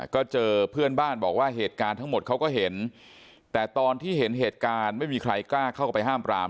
ก็เจอเพื่อนบ้านบอกว่าเหตุการณ์ทั้งหมดเขาก็เห็นแต่ตอนที่เห็นเหตุการณ์ไม่มีใครกล้าเข้าไปห้ามปราม